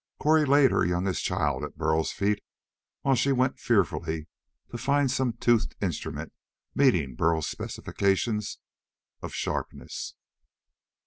Cori laid her youngest child at Burl's feet while she went fearfully to find some toothed instrument meeting Burl's specification of sharpness.